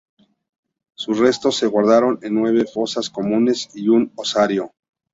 Sus restos se guardan en nueve fosas comunes y un osario.